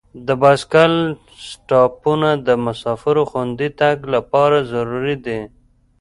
د بایسکل سټاپونه د مسافرو خوندي تګ لپاره ضروري دي.